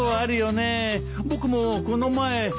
僕もこの前。